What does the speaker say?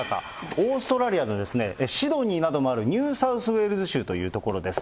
オーストラリアのシドニーなどもあるニューサウスウェールズ州という所です。